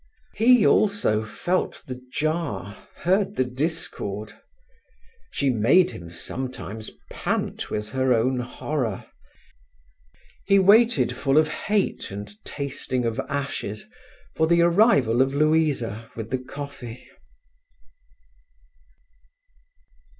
He, also, felt the jar, heard the discord. She made him sometimes pant with her own horror. He waited, full of hate and tasting of ashes, for the arrival of Louisa with the coffee.